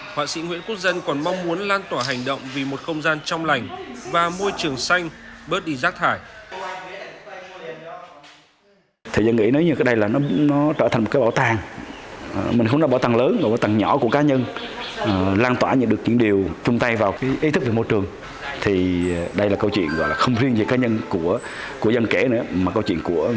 họa sĩ nguyễn quốc dân còn mong muốn lan tỏa hành động vì một không gian trong lành